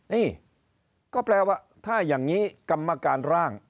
นี่ก็แปลว่าถ้าอย่างนี้กรรมการร่าง